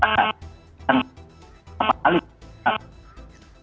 kemudian pssi sudah memasahi takan dan paham alih